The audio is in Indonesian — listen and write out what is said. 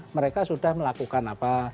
mereka sudah melakukan apa